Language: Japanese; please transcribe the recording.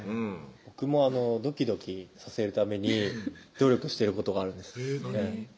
僕もドキドキさせるために努力してることがあるんです何？